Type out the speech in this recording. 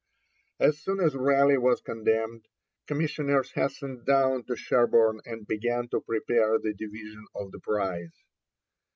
As soon as Raleigh was condemned, commissioners hastened down to Sherborne and began to prepare the division of the prize.